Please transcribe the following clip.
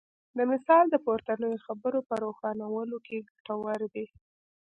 دا مثال د پورتنیو خبرو په روښانولو کې ګټور دی.